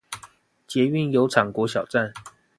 捷運油廠國小站